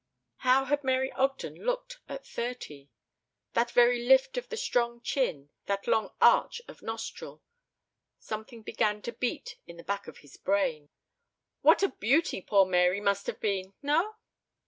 How had Mary Ogden looked at thirty? That very lift of the strong chin, that long arch of nostril ... something began to beat in the back of his brain. ... "What a beauty poor Mary must have been, no?"